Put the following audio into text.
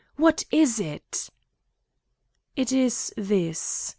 "What is it?" "It is this.